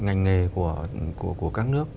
ngành nghề của các nước